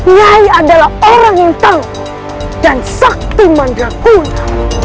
nyai adalah orang yang tahu dan sakti mandraguna